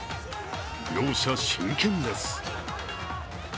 両者、真剣です。